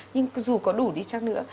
nhưng dù có đủ đi chăng nữa